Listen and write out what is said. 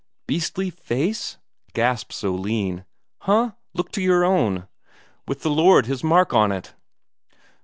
"Beastly face?" gasps Oline. "Huh! Look to your own. With the Lord His mark on it!"